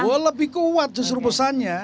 bahwa lebih kuat justru pesannya